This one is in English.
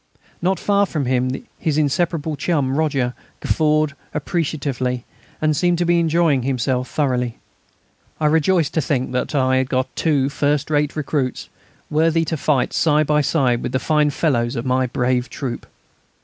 Not far from him his inseparable chum, Roger, guffawed appreciatively, and seemed to be enjoying himself thoroughly. I rejoiced to think that I had got two first rate recruits, worthy to fight side by side with the fine fellows of my brave troop.